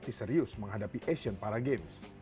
tim indonesia tidak serius menghadapi asian para games